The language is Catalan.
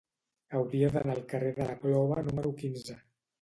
Hauria d'anar al carrer de la Gleva número quinze.